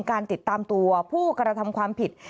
การติดตามตัวผู้กระทำความผิด